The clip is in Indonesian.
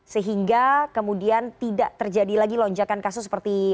sehingga kemudian tidak terjadi lagi lonjakan kasus seperti